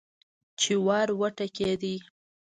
چې ور وټکېده.